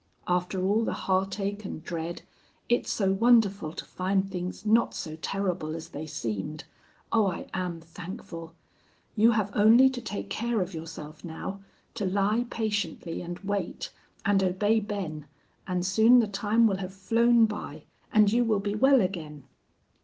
After all the heartache and dread, it's so wonderful to find things not so terrible as they seemed. Oh, I am thankful! You have only to take care of yourself now, to lie patiently and wait, and obey Ben, and soon the time will have flown by and you will be well again.